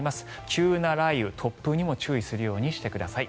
急な雷雨、突風にも注意するようにしてください。